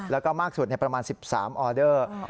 แล้วก็มากสุดประมาณ๑๓ออเดอร์